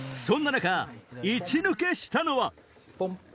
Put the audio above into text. そんな中１抜けしたのはポン！